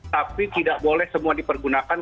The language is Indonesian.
tapi tidak boleh semua dipergunakan